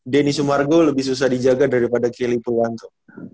denny sumargo lebih susah dijaga daripada kelly puwanto